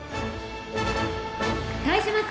対します